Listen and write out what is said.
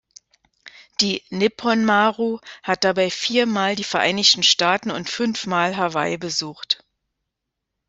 Die "Nippon Maru" hat dabei viermal die Vereinigten Staaten und fünfmal Hawaii besucht.